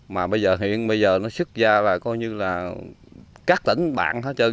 mà bây giờ hiện bây giờ nó xuất ra là coi như là các tỉnh bạn hết trơn